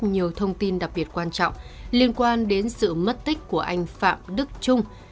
nhiều thông tin đặc biệt quan trọng liên quan đến sự mất tích của anh phạm đức trung